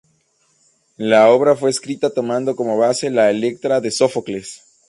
La obra fue escrita tomando como base a la "Electra" de Sófocles.